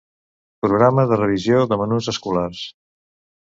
Programa de revisió de menús escolars.